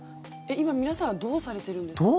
今、皆さんどうされてるんですか？